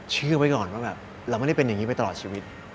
เชื่อไว้ก่อนว่าแบบเราไม่ได้เป็นอย่างนี้ไปตลอดชีวิต